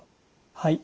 はい。